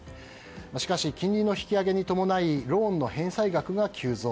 しかし、金利の引き上げに伴いローンの支払額が急増。